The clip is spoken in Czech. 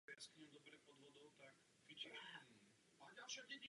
Světovou premiéru měl na festivalu v Torontu.